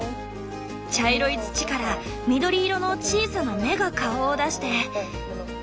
茶色い土から緑色の小さな芽が顔を出して。